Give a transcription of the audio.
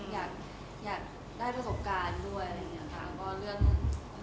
อยากได้ประสบการณ์ด้วย